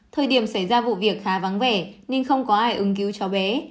thời điểm xảy ra vụ việc khá vắng vẻ nên không có ai ứng cứu cho bé